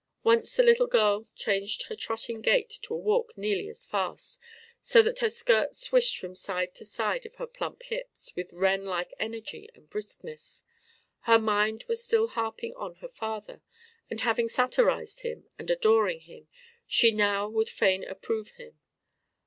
Once the little girl changed her trotting gait to a walk nearly as fast, so that her skirts swished from side to side of her plump hips with wren like energy and briskness. Her mind was still harping on her father; and having satirized him, and adoring him, she now would fain approve him.